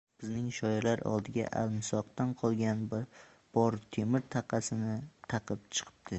— Bizning shoirlar oldiga almisoqdan qolgan bor temir-taqasini taqib chiqibdi!